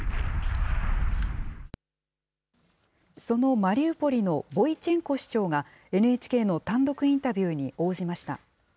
そのマリウポリのボイチェンコ市長が、ＮＨＫの単独インタビューに応じました。